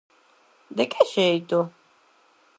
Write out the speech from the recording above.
¡¿De que xeito?!